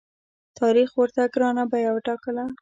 تاریخ ورته ګرانه بیه وټاکله.